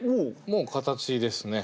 もう形ですね